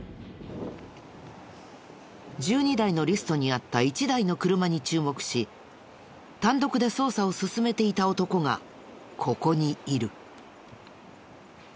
１２台のリストにあった１台の車に注目し単独で捜査を進めていた男がここにいる。